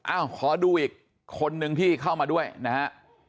ขอดูอีกคนนึงที่เข้ามาด้วยนะฮะ